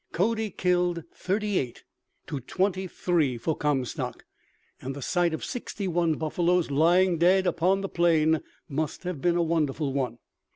Cody killed thirty eight, to twenty three for Comstock, and the sight of sixty one buffaloes lying dead upon the plain must have been a wonderful one.